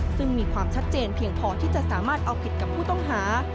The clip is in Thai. ซึ่งมีความชัดเจนเพียงพอที่จะสามารถเอาผิดกับผู้ต้องหา